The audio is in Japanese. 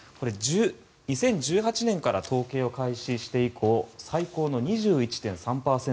２０１８年から統計を開始して以降最高の２１．３％。